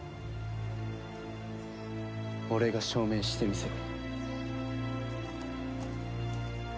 俺が証明してみせる。